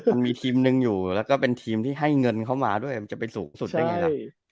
มันมีทีมหนึ่งอยู่แล้วก็เป็นทีมที่ให้เงินเข้ามาด้วยมันจะไปสูงสุดได้ไงล่ะ